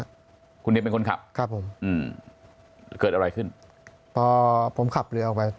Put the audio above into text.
คุณนิมเป็นคนขับครับผมอืมเกิดอะไรขึ้นพอผมขับเรือออกไป